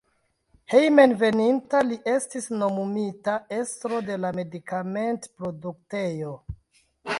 Hejmenveninta li estis nomumita estro de la medikamentproduktejo.